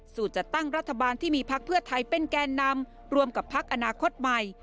จัดตั้งรัฐบาลที่มีพักเพื่อไทยเป็นแกนนำรวมกับพักอนาคตใหม่